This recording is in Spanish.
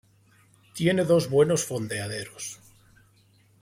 Tiene dos buenos fondeaderos.